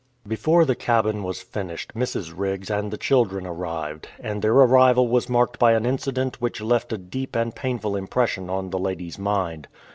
Before the cabin was finished Mrs. Riggs and the children arrived, and their arrival was marked by an inci dent which left a deep and painful impression on the lady"'s mind.